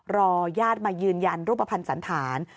รอญาติมายืนยันรูปภัณฑ์สันธาร